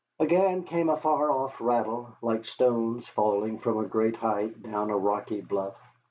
Again came a far off rattle, like stones falling from a great height down a rocky bluff.